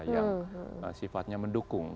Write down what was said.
yang sifatnya mendukung